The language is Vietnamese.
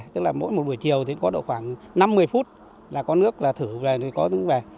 tức là mỗi buổi chiều thì có khoảng năm mươi phút là có nước là thử về thì có nước về